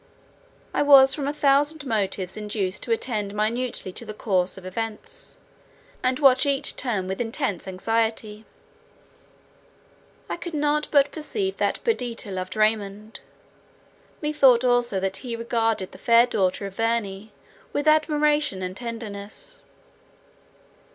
I was from a thousand motives induced to attend minutely to the course of events, and watch each turn with intense anxiety. I could not but perceive that Perdita loved Raymond; methought also that he regarded the fair daughter of Verney with admiration and tenderness.